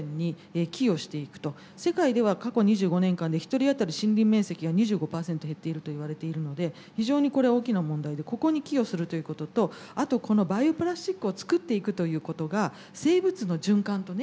世界では過去２５年間で１人当たり森林面積が２５％減っているといわれているので非常にこれは大きな問題でここに寄与するということとあとこのバイオプラスチックを作っていくということが生物の循環とね